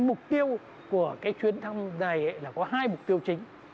mục tiêu của cái chuyến thăm này là có hai mục tiêu chính